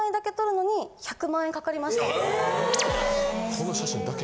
・この写真だけ？